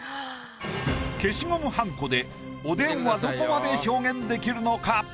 消しゴムはんこでおでんはどこまで表現できるのか？